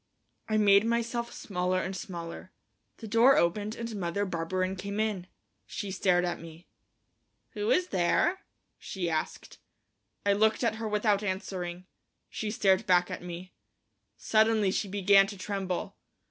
I made myself smaller and smaller. The door opened and Mother Barberin came in. She stared at me. "Who is there?" she asked. I looked at her without answering; she stared back at me. Suddenly she began to tremble.